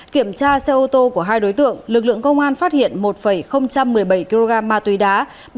kiểm tra xe ô tô của hai đối tượng lực lượng công an phát hiện một một mươi bảy kg ma túy đá